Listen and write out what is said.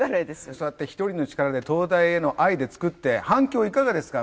そうやって１人の力で灯台への愛で作って反響いかがですか？